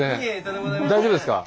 大丈夫ですか？